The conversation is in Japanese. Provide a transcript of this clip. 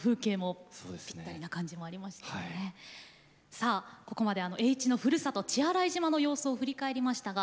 さあここまで栄一のふるさと血洗島の様子を振り返りましたが